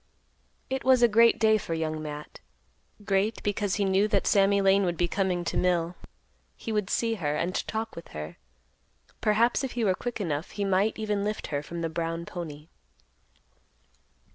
It was a great day for Young Matt; great because he knew that Sammy Lane would be coming to mill; he would see her and talk with her; perhaps if he were quick enough, he might even lift her from the brown pony.